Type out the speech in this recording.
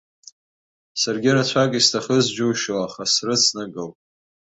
Саргьы рацәак исҭахыз џьушьо, аха срыцнагалт.